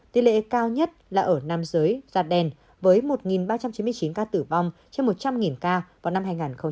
tỷ lệ cao nhất là ở nam giới da đen với một ba trăm chín mươi chín ca tử vong trên một trăm linh ca vào năm hai nghìn một mươi tám